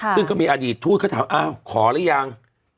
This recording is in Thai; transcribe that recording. ทุกคนก็ทุกคนถามเอาขอรึยัง